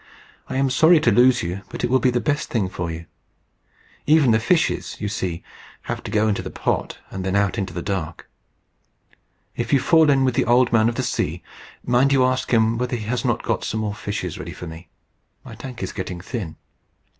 I am sorry to lose you, but it will be the best thing for you. Even the fishes, you see, have to go into the pot, and then out into the dark. If you fall in with the Old Man of the Sea, mind you ask him whether he has not got some more fishes ready for me. My tank is getting thin."